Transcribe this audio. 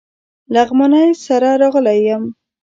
لغمانی سره راغلی یم.